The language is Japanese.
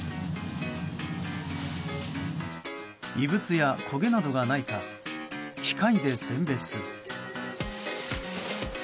異物や焦げなどがないか機械で選別。